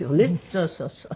そうそうそう。